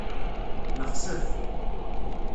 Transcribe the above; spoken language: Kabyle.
Nexsef.